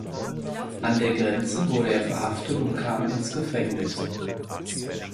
An der Grenze wurde er verhaftet und kam ins Gefängnis.